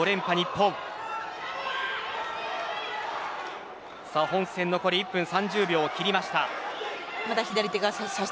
本戦残り１分３０秒を切りました。